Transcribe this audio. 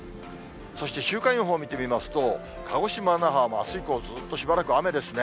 そして週間予報を見てみますと、鹿児島、那覇は、あす以降、ずっとしばらく雨ですね。